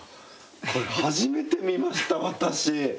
これ初めて見ました私。